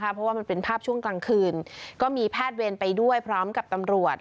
เพราะว่ามันเป็นภาพช่วงกลางคืนก็มีแพทย์เวรไปด้วยพร้อมกับตำรวจ